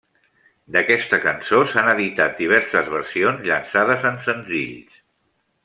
D'aquesta cançó s'han editat diverses versions llançades en senzills.